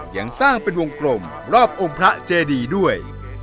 ยังสร้างเป็นวงกลมรอบองค์พระเจดีด้วย